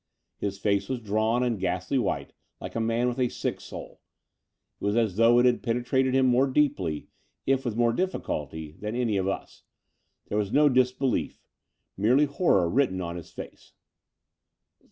His face was drawn and ghastly white, like a man with a sick soul. It was as though it had penetrated him more deeply, if with more difficulty, tlian any of us. There was no disbelief — ^merely horrofr — ^written on his face.